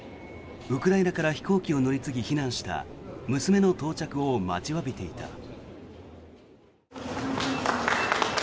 ウクライナから飛行機を乗り継ぎ避難した娘の到着を待ちわびていた。